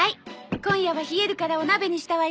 今夜は冷えるからお鍋にしたわよ。